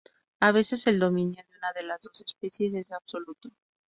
A veces el dominio de una de las dos especies es absoluto.